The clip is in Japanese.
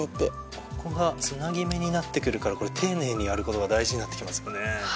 ここがつなぎ目になってくるから丁寧にやることが大事になってきますね。